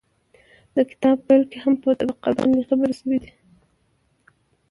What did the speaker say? د کتاب پيل کې هم په طبقه باندې خبرې شوي دي